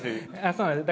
そうなんです。